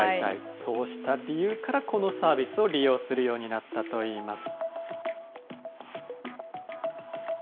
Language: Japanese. そうした理由から、このサービスを利用するようになったといいます。